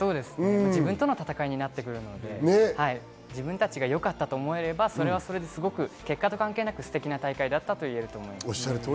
自分との戦いになってくるので、自分たちがよかったと思えればそれはそれで結果と関係なく、ステキな大会だったと言えると思います。